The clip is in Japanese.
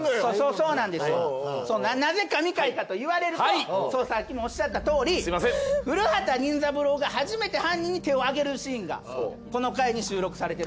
そうなんですなぜ神回かと言われるとさっきもおっしゃったとおり古畑任三郎が初めて犯人に手をあげるシーンがこの回に収録されてるわけです。